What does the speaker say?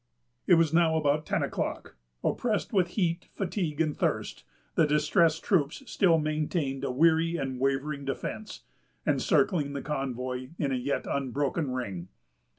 It was now about ten o'clock. Oppressed with heat, fatigue, and thirst, the distressed troops still maintained a weary and wavering defence, encircling the convoy in a yet unbroken ring.